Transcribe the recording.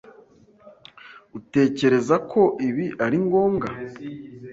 Utekereza ko ibi ari ngombwa?